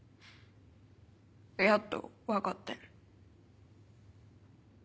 やっと分かってん。